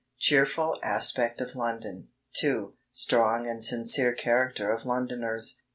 CHEERFUL ASPECT OF LONDON. 2. STRONG AND SINCERE CHARACTER OF LONDONERS.